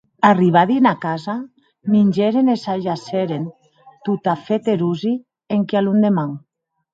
Arribadi ena casa, mingèren e s’ajacèren, totafèt erosi, enquia londeman.